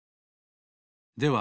では